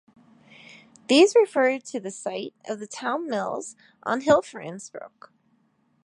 These referred to the site of the Town Mills on Hillfarrence Brook.